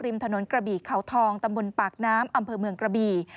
ถนนกระบี่เขาทองตำบลปากน้ำอำเภอเมืองกระบี่